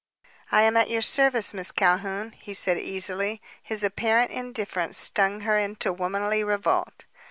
"I am at your service, Miss Calhoun," he said easily. His apparent indifference stung her into womanly revolt.